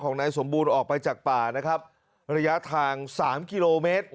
นายสมบูรณ์ออกไปจากป่านะครับระยะทางสามกิโลเมตร